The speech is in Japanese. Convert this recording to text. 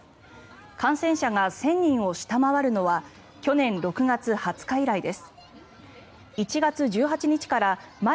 感染者が１０００人を下回るのは去年６月２０日以来です。